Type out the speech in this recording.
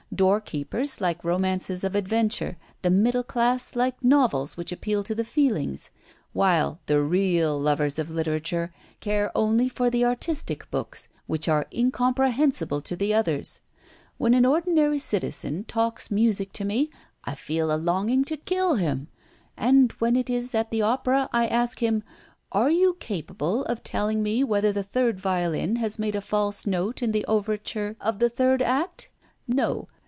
Doorkeepers like romances of adventure, the middle class like novels which appeal to the feelings; while the real lovers of literature care only for the artistic books which are incomprehensible to the others. When an ordinary citizen talks music to me I feel a longing to kill him. And when it is at the opera, I ask him: 'Are you capable of telling me whether the third violin has made a false note in the overture of the third act? No.